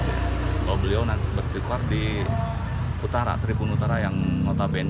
kalau beliau nanti bertrikuar di utara tribun utara yang notabene